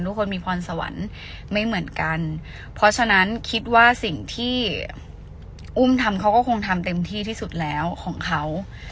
ทุกคนมีพรสวรรค์ไม่เหมือนกันเพราะฉะนั้นคิดว่าสิ่งที่อุ้มทำเขาก็คงทำเต็มที่ที่สุดแล้วของเขา